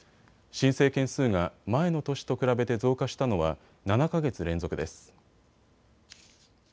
申請件数が前の年と比べて増加したのは７か月連続です。